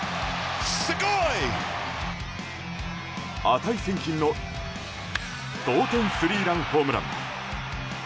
値千金の同点スリーランホームラン。